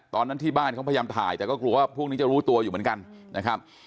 ตอนนั้นที่บ้านเขาพยายามถ่ายแต่ก็กลัวว่าพวกนี้จะรู้ตัวอยู่เหมือนกันนะครับ